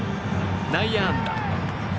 内野安打。